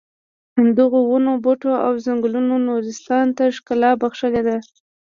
همدغو ونو بوټو او ځنګلونو نورستان ته ښکلا بښلې ده.